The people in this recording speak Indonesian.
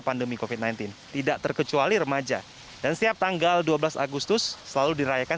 pandemi kofit sembilan belas tidak terkecuali remaja dan setiap tanggal dua belas agustus selalu dirayakan